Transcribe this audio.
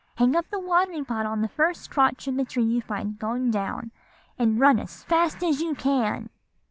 Hang up the watering pot on the first crotch of the tree you find going down, and run as fast as you can.